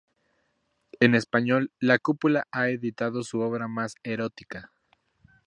En español, La Cúpula ha editado su obra más erótica.